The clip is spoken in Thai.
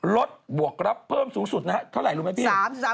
บวกรับเพิ่มสูงสุดนะฮะเท่าไหร่รู้ไหมพี่